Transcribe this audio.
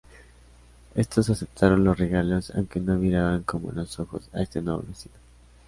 Estos aceptaron los regalos aunque no miraban con buenos ojos a este nuevo vecino.